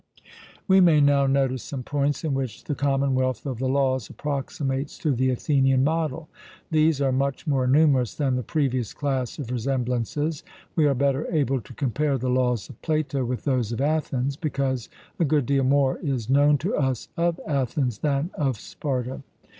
We may now notice some points in which the commonwealth of the Laws approximates to the Athenian model. These are much more numerous than the previous class of resemblances; we are better able to compare the laws of Plato with those of Athens, because a good deal more is known to us of Athens than of Sparta.